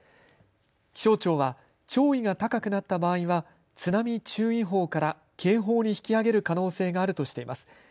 気象庁は、潮位が高くなった場合は、津波注意報から警報に引き上げる可能性があるとしています。